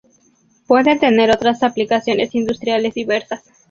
Puede tener otras aplicaciones industriales diversas.